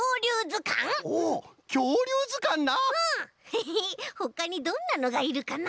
ヘヘッほかにどんなのがいるかな？